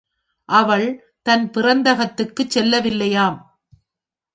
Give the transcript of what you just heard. அவள் தன் பிறந்தகத்துக்குச் செல்லவில்லையாம்!